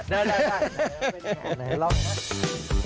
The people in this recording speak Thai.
ได้ไปรอดหน่อย